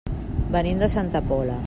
Venim de Santa Pola.